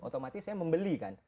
otomatis saya membeli kan